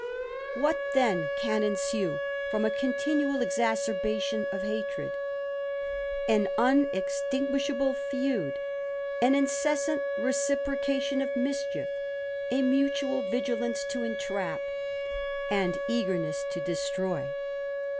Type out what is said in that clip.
What then can ensue but a continual exacerbation of hatred, an unextinguishable feud, an incessant reciproca tion of mischief, a mutual vigilance to ectrEip, and eagerness to destroy